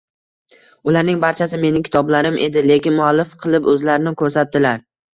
ularning barchasi mening kitoblarim edi, lekin muallif qilib o'zlarini ko'rsatdilar.